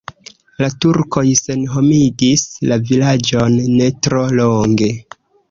La turkoj senhomigis la vilaĝon ne tro longe.